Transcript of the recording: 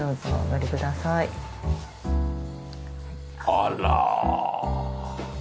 あら！